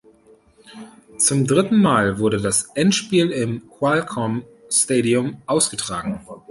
Zum dritten Mal wurde das Endspiel im "Qualcomm Stadium" ausgetragen.